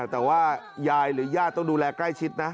แต่ว่ายายหรือญาติต้องดูแลใกล้ชิดนะ